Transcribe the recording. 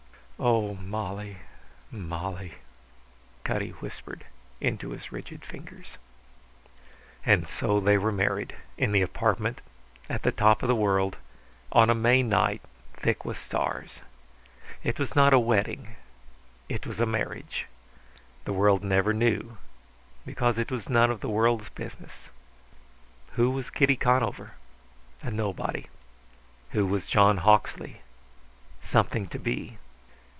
"Oh, Molly, Molly!" Cutty whispered into his rigid fingers. And so they were married, in the apartment, at the top of the world, on a May night thick with stars. It was not a wedding; it was a marriage. The world never knew because it was none of the world's business. Who was Kitty Conover? A nobody. Who was John Hawksley? Something to be.